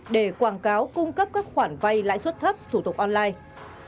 để quảng cáo cung cấp các khoản vay lãi suất thấp thủ tục online